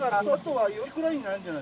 はい。